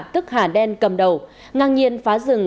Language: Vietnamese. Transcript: tức hà đen cầm đầu ngang nhiên phá rừng